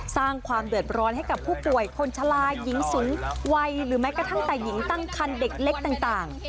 สร้างความเดือดร้อนให้กับผู้ป่วยคนชะลาหญิงสูงวัยหรือแม้กระทั่งแต่หญิงตั้งคันเด็กเล็กต่าง